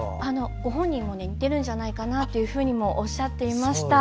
ご本人も似てるんじゃないかとおっしゃっていました。